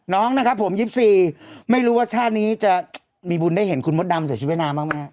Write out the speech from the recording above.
น้องนะครับผมยิบสี่ไม่รู้ว่าชาตินี้จะมีบุญได้เห็นคุณมดดำใส่ชุดเวทนามากมั้ยฮะ